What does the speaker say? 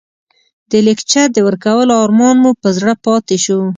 د لکچر د ورکولو ارمان مو په زړه پاتې شو.